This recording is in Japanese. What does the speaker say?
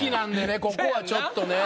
ここはちょっとね。